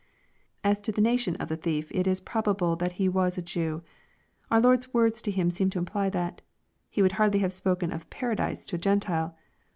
As to the nation of the thief, it is probable that he was a Jew. Our Lord's words to him seem to imply that He would hardly have spoken of " paradise" to a G entile.